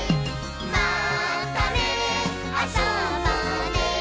「またねあそぼうね